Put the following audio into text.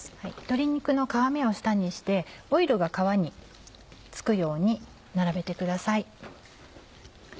鶏肉の皮目を下にしてオイルが皮に付くように並べてください。